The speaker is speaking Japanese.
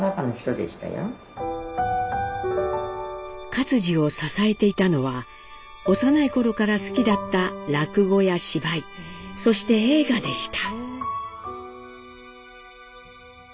克爾を支えていたのは幼い頃から好きだった落語や芝居そして映画でした。